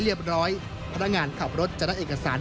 เรียบร้อยพนักงานขับรถจะได้เอกสาร